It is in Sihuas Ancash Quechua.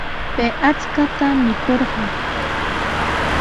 Pay akshuta mikurqan.